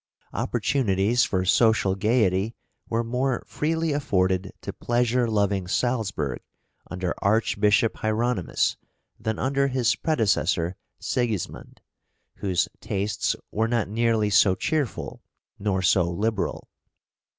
Opportunities for social gaiety were more freely afforded to pleasure loving Salzburg under Archbishop Hieronymus than under his predecessor Sigismund, whose tastes were not nearly so cheerful nor so liberal.